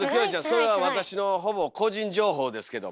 それは私のほぼ個人情報ですけども。